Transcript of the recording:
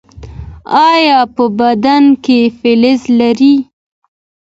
ایا په بدن کې فلز لرئ؟